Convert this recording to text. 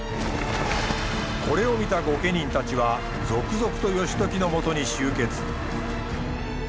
これを見た御家人たちは続々と義時のもとに集結。